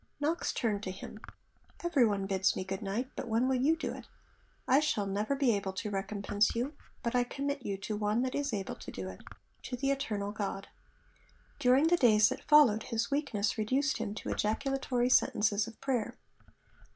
Knox turned to him: 'Every one bids me good night; but when will you do it? I shall never be able to recompense you; but I commit you to One that is able to do it to the Eternal God.' During the days that followed, his weakness reduced him to ejaculatory sentences of prayer.